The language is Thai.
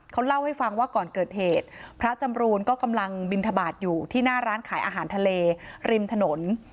เขาเล่าให้ฟังว่าก่อนเกิดเหตุพระจำรูนก็กำลังบินทบาทอยู่ที่หน้าร้านขายอาหารทะเลริมถนน